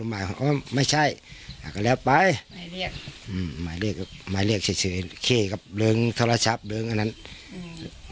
มายเรียกเฉยเฉยเข้ยครับเหลืองเทราะชับเหลืองอันนั้นอืม